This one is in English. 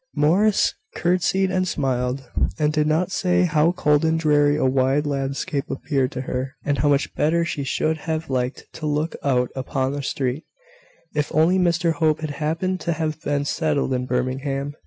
Morris curtseyed and smiled, and did not say how cold and dreary a wide landscape appeared to her, and how much better she should have liked to look out upon a street, if only Mr Hope had happened to have been settled in Birmingham.